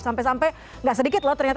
sampai sampai nggak sedikit loh ternyata